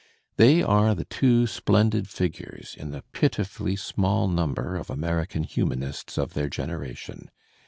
They are the two splendid figures in the pitifully small number of American humanists of their generation.